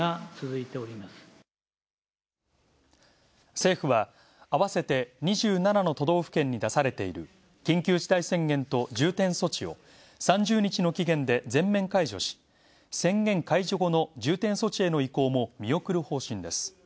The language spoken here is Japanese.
政府は、あわせて２７の都道府県に出されている緊急事態宣言と重点措置を、３０日の期限で全面解除し宣言解除後の重点措置への移行も見送る方針です。